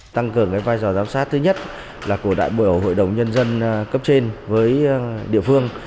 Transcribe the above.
tăng cường vai trò giám sát thứ nhất là của đại biểu hội đồng nhân dân cấp trên với địa phương